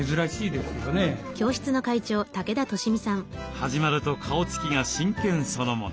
始まると顔つきが真剣そのもの。